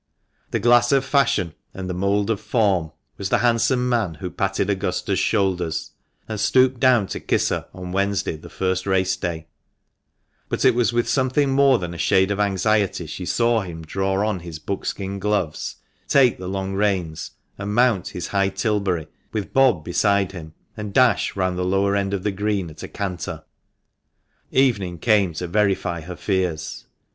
" The glass of fashion and the mould of form," was the handsome man who patted Augusta's shoulders and stooped down to kiss her on Wednesday, the first race day ; but it was with something more than a shade of anxiety she saw him draw on his buckskin gloves, take the long reins, and mount his high Tilbury, with Bob beside him, and dash round the lower end of the Green at a canter. Evening came to verify her fears.